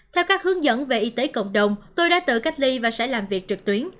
theo các hướng dẫn về y tế cộng đồng tôi đã tự cách ly và sẽ làm việc trực tuyến